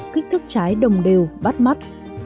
kích thước trái đồng đều bắt mắt